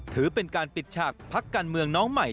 ถือเป็นการปิดฉากพักการเมืองน้องใหม่